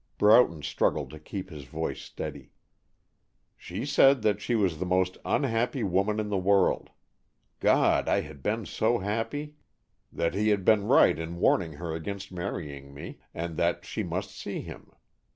Broughton struggled to keep his voice steady. "She said that she was the most unhappy woman in the world, God, I had been so happy! that he had been right in warning her against marrying me, and that she must see him.